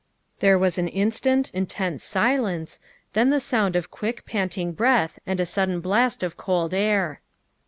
There was an instant's intense silence, then the sound of quick, panting breath and a sudden blast of cold air.